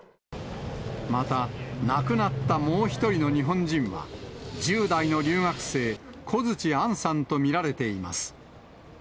また亡くなったもう１人の日本人は、１０代の留学生、コヅチ・アンさんと見られています。